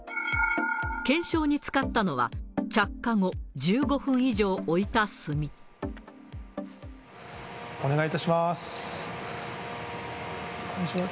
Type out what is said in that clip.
検証に使ったのは、着火後、お願いいたします。